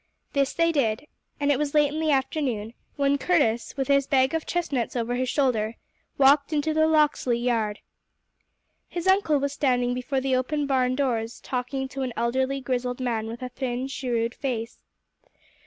This they did, and it was late in the afternoon when Curtis, with his bag of chestnuts over his shoulder, walked into the Locksley yard. His uncle was standing before the open barn doors, talking to an elderly, grizzled man with a thin, shrewd face.